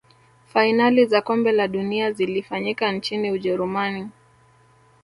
fainali za kombe la dunia zilifanyika nchini ujerumani